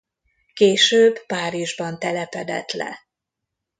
Később Párizsban telepedett le.